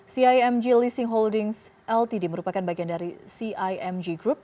cimg leasing holdings ltd merupakan bagian dari cimg group